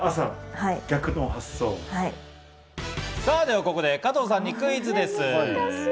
さあ、ではここで加藤さんにクイズです。